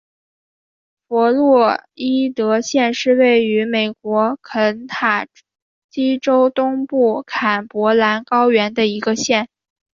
弗洛伊德县是位于美国肯塔基州东部坎伯兰高原的一个县。